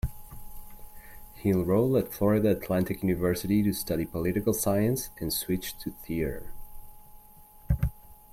He enrolled at Florida Atlantic University to study political science and switched to theatre.